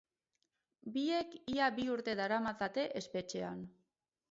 Biek ia bi urte daramatzate espetxean.